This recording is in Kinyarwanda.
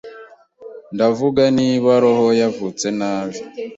Ndavuga niba roho yavutse nabi